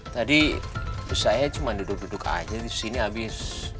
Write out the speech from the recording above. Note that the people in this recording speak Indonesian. tadi saya cuma duduk duduk aja di sini habis